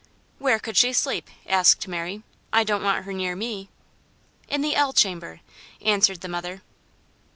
"Where could she sleep?" asked Mary. "I don't want her near me." "In the L chamber," answered the mother.